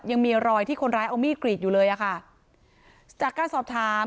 ยังมีรอยที่คนร้ายเอามีดกรีดอยู่เลยอ่ะค่ะจากการสอบถาม